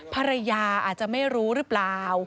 ภรรยาอาจจะไม่รู้หรือเปล่า